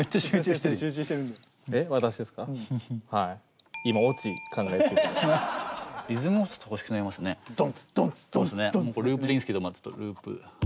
ループでいいですけどまあちょっとループ。